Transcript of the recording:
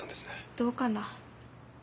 どうかな。